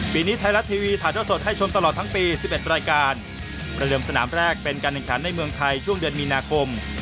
ปีนี้ไทยรัฐทีวีถ่ายเท่าสดให้ชมตลอดทั้งปี๑๑รายการประเดิมสนามแรกเป็นการแข่งขันในเมืองไทยช่วงเดือนมีนาคม